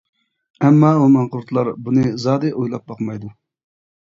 ئەمما ئۇ ماڭقۇرتلار بۇنى زادى ئويلاپ باقمايدۇ.